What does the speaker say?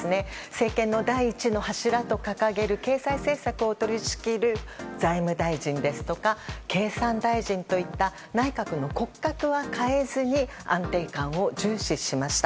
政権の第１の柱と掲げる経済政策を取り仕切る財務大臣ですとか経産大臣といった内閣の骨格は変えずに安定感を重視しました。